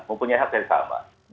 mumpunya hak yang sama